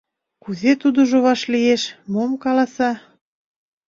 Кузе тудыжо вашлиеш, мом каласа?